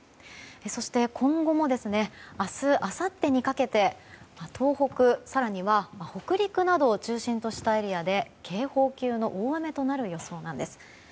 そして、今後も明日、あさってにかけて東北、更には北陸などを中心としたエリアで警報級の大雨となる予想なんです。